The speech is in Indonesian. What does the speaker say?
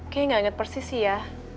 kayaknya gak inget persis sih ya